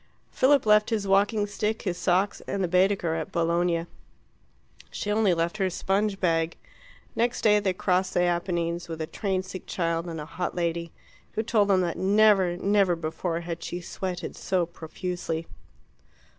Philip left his walking stick, his socks, and the Baedeker at Bologna; she only left her sponge bag. Next day they crossed the Apennines with a train sick child and a hot lady, who told them that never, never before had she sweated so profusely.